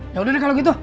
ya udah deh kalau gitu